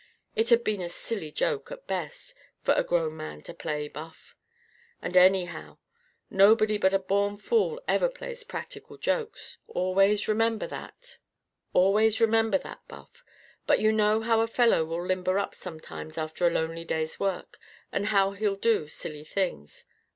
It had been a silly joke, at best, for a grown man to play, Buff. "And, anyhow, nobody but a born fool ever plays practical jokes. Always remember that, Buff. But you know how a fellow will limber up sometimes after a lonely day's work, and how he'll do silly things.